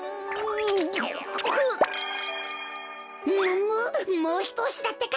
むむもうひとおしだってか！